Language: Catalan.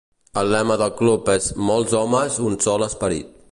El lema del cub és "molts homes, un sol esperit".